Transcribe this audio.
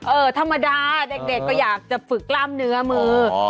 ธรรมดาเด็กก็อยากจะฝึกกล้ามเนื้อมือ